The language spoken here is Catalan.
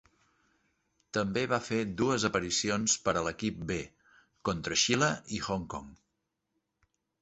També va fer dues aparicions per a l'equip B, contra Xile i Hong Kong.